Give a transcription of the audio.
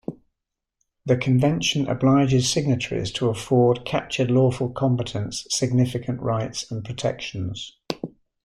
The Convention obliges signatories to afford captured lawful combatants significant rights and protections.